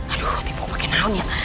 aduh timpuk pake naunnya